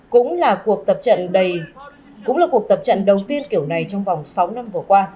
cũng là cuộc tập trận đầu tiên kiểu này trong vòng sáu năm vừa qua